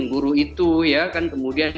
guru itu ya kan kemudian